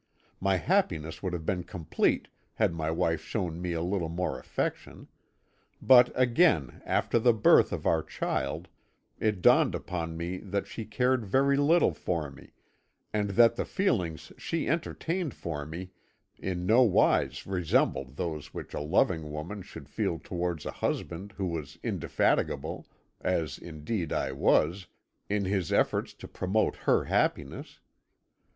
My happiness would have been complete had my wife shown me a little more affection; but again, after the birth of our child, it dawned upon me that she cared very little for me, and that the feelings she entertained for me in no wise resembled those which a loving woman should feel towards a husband who was indefatigable, as indeed I was, in his efforts to promote her happiness.